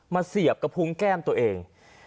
เสียบกระพุงแก้มตัวเอง